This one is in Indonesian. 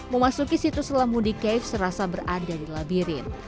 memasuki situs selam wundi cave serasa berada di labirin